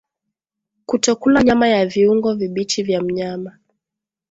Kutokula nyama na viungo vibichi vya mnyama